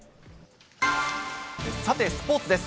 さて、スポーツです。